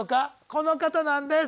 この方なんです。